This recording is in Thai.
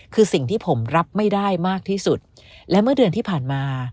คือสิ่งที่ผมรับไม่ได้มากที่สุดและเมื่อเดือนที่ผ่านมา